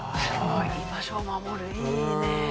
「居場所を守る」いいねぇ。